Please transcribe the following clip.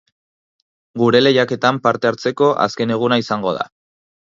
Gure lehiaketan parte hartzeko azken eguna izango da!